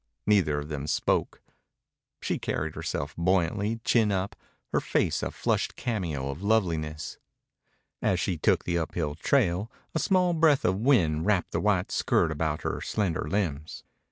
Neither of them spoke. She carried herself buoyantly, chin up, her face a flushed cameo of loveliness. As she took the uphill trail a small breath of wind wrapped the white skirt about her slender limbs.